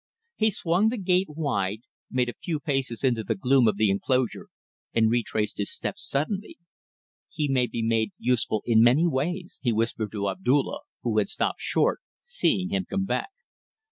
He swung the gate wide, made a few paces into the gloom of the enclosure, and retraced his steps suddenly. "He may be made useful in many ways," he whispered to Abdulla, who had stopped short, seeing him come back.